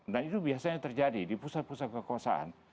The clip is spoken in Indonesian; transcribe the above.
itu biasanya terjadi di pusat pusat kekuasaan